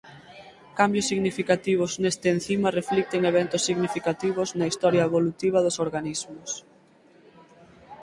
Cambios significativos neste encima reflicten eventos significativos na historia evolutiva dos organismos.